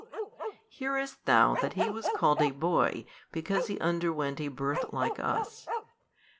Hearest thou that He was called a Boy because He underwent a birth like us?